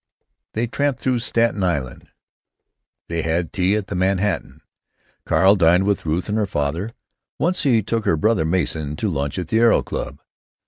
They tramped through Staten Island; they had tea at the Manhattan. Carl dined with Ruth and her father; once he took her brother, Mason, to lunch at the Aero Club.